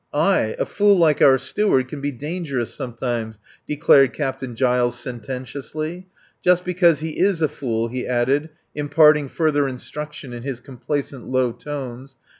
"Aye. A fool like our Steward can be dangerous sometimes," declared Captain Giles sententiously. "Just because he is a fool," he added, imparting further instruction in his complacent low tones.